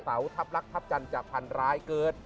เสาทัพรักทัพจันจะพันร้ายเกิด